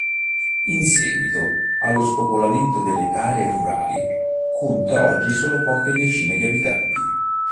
In seguito allo spopolamento delle aree rurali, conta oggi solo poche decine di abitanti.